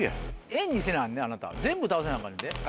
円にせなあなた全部倒せなあかんねんで。